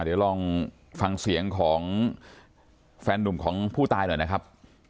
เดี๋ยวลองฟังเสียงของแฟนนุ่มของผู้ตายหน่อยนะครับ